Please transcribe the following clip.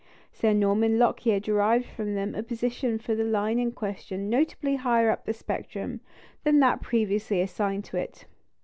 Sir Norman Lockyer derived from them a position for the line in question notably higher up in the spectrum than that previously assigned to it.